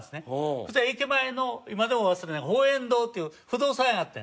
そしたら駅前の今でも忘れない方円堂っていう不動産屋あって。